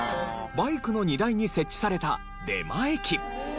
バイクの荷台に設置された出前機。